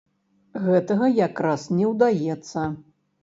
Гэтага якраз не ўдаецца.